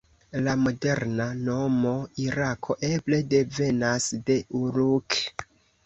La moderna nomo Irako, eble devenas de "Uruk".